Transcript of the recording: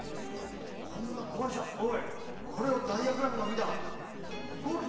こんなこわしちゃおいこれをダイヤグラムがみたらおこるぞ。